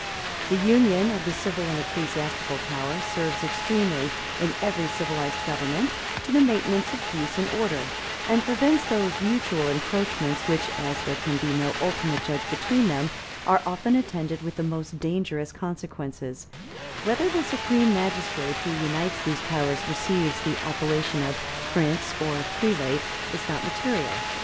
The union of the civil and ecclesiastical power serves extremely, in every civilized government, to the maintenance of peace and order; and prevents those mutual encroachments which, as there can be no ultimate judge between them, are often attended with the most dangerous consequences Whether the supreme magistrate who unites these powers receives the appellation of prince or prelate, is not material.